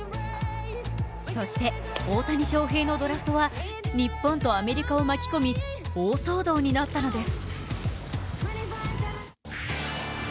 そして大谷翔平のドラフトは日本とアメリカを巻き込み大騒動になったのです。